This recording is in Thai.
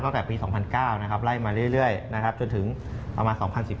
ตั้งแต่ปี๒๐๐๙ไล่มาเรื่อยจนถึงประมาณ๒๐๑๕